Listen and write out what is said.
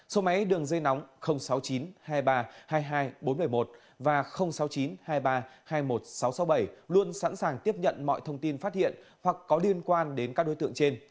số máy đường dây nóng sáu mươi chín hai nghìn ba trăm hai mươi hai bốn trăm bảy mươi một và sáu mươi chín hai nghìn ba trăm hai mươi một sáu trăm sáu mươi bảy luôn sẵn sàng tiếp nhận mọi thông tin phát hiện hoặc có liên quan đến các đối tượng trên